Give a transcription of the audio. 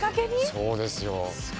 そうですよ。